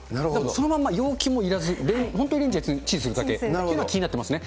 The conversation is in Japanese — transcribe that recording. そのまんま容器もいらず、本当にレンジでチンするだけっていうのが気になってますね。